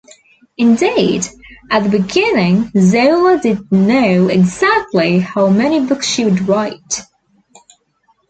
Indeed, at the beginning, Zola didn't know exactly how many books he would write.